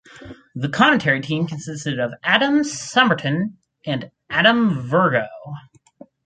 The commentary team consisted of Adam Summerton and Adam Virgo.